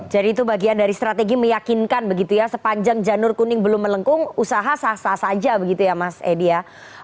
jadi itu bagian dari strategi meyakinkan begitu ya sepanjang janur kuning belum melengkung usaha sah sah saja begitu ya mas edi ya